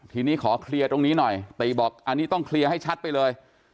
ทีนี้ขอเคลียร์ตรงนี้หน่อยต้องเคลียร์ให้ชัดไปเลย